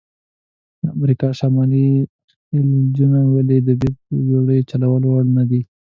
د امریکا شمالي خلیجونه ولې د بېړیو چلول وړ نه دي؟